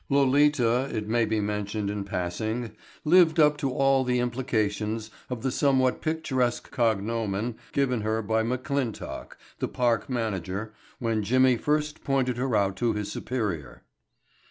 Lolita, it may be mentioned in passing, lived up to all the implications of the somewhat picturesque cognomen given her by McClintock, the park manager, when Jimmy first pointed her out to his superior.